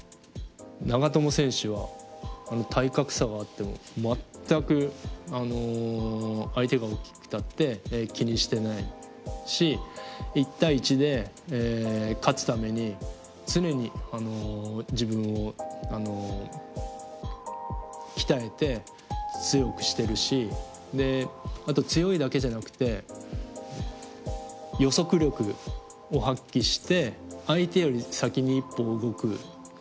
長友選手は体格差があっても全く相手が大きくたって気にしてないし１対１で勝つために常に自分を鍛えて強くしてるしあと強いだけじゃなくて予測力を発揮して相手より先に一歩を動くこと。